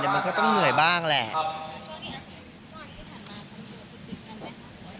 มันก็ต้องเหนื่อยบ้างแหละ